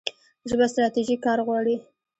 ژبه ستراتیژیک کار غواړي.